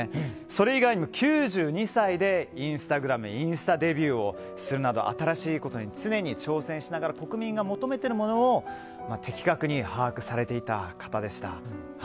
それ以外にも９２歳でインスタグラムインスタデビューをするなど新しいことに常に挑戦しながら国民が認めているものを的確に把握されていた方でした。